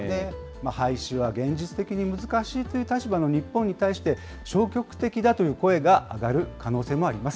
廃止は現実的に難しいという立場の日本に対して、消極的だという声が上がる可能性もあります。